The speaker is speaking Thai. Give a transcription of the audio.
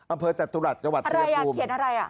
อำเภอจัตรุรัสจังหวัดชายภูมิอยากเขียนอะไร